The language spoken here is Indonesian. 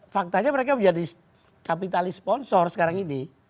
faktanya mereka menjadi kapitalis sponsor sekarang ini